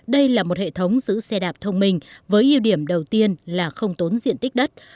đây là một hệ thống giữ xe đạp thông minh với ưu điểm đầu tiên là không tốn diện tích đất